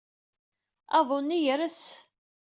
Aḍu-nni yers.